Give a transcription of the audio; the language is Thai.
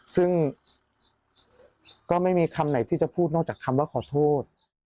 ซึ่งก็ไม่มีคำไหนที่จะพูดนอกจากคำว่าขอโทษ